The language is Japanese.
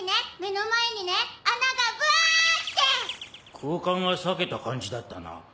空間が裂けた感じだったな。